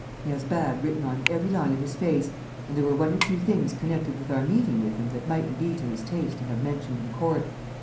He has bad written on every line of his face, and there were one or two things connected with our meeting with him that mightn't be to his taste to have mentioned in court."